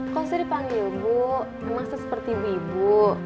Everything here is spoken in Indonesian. kalau saya dipanggil bu termasuk seperti ibu ibu